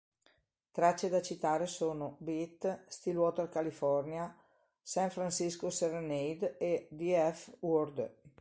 Tracce da citare sono "Beat", "Stillwater California", "San Francisco Serenade" e "The F Word".